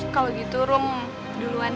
kalau gitu rum duluan